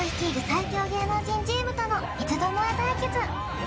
最強芸能人チームとの三つどもえ対決！